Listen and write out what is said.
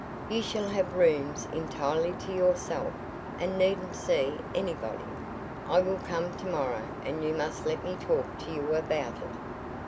You shall have rooms entirely to yourself, and needn't see anybody. I will come tomorrow, and you must let me talk to you about it."